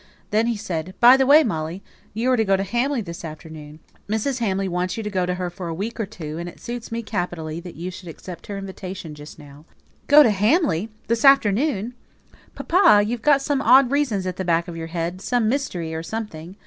Then he said, "By the way, Molly! you're to go to Hamley this afternoon; Mrs. Hamley wants you to go to her for a week or two, and it suits me capitally that you should accept her invitation just now." "Go to Hamley! This afternoon! Papa, you've got some odd reason at the back of your head some mystery, or something.